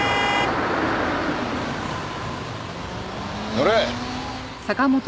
乗れ。